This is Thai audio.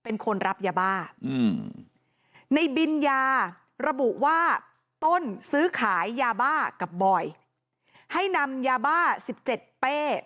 เป็นคนรับยาบ้าในบิญญาระบุว่าต้นซื้อขายยาบ้ากับบอยให้นำยาบ้า๑๗เป้